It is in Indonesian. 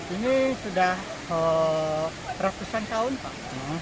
ini sudah ratusan tahun pak